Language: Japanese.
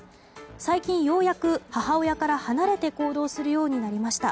最近ようやく母親から離れて行動するようになりました。